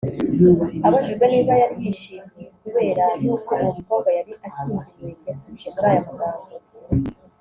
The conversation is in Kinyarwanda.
Abajijwe niba yari yishimye kubera y’uko uwo mukobwa yari ashyingiwe yasubije muri aya magambo